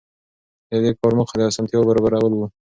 د دې کار موخه د اسانتیاوو برابرول وو.